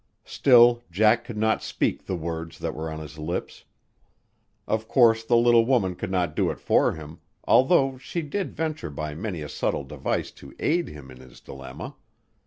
Still Jack could not speak the words that were on his lips. Of course the little woman could not do it for him, although she did venture by many a subtle device to aid him in his dilemma.